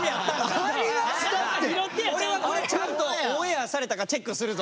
俺はこれちゃんとオンエアされたかチェックするぞ